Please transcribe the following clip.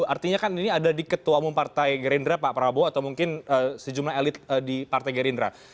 artinya kan ini ada di ketua umum partai gerindra pak prabowo atau mungkin sejumlah elit di partai gerindra